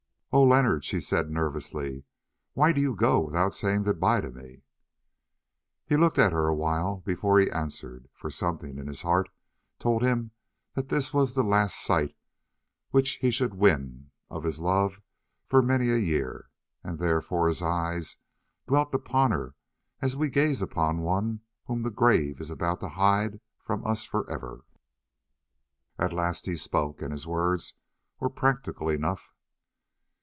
"Oh! Leonard," she said nervously, "why do you go without saying good bye to me?" He looked at her awhile before he answered, for something in his heart told him that this was the last sight which he should win of his love for many a year, and therefore his eyes dwelt upon her as we gaze upon one whom the grave is about to hide from us for ever. At last he spoke, and his words were practical enough.